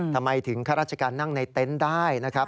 ทำไมถึงข้าราชการนั่งในเต็นต์ได้นะครับ